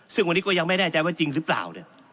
ซึ่งวันนี้ก็ยังไม่แน่ใจว่าจริงหรือเปล่า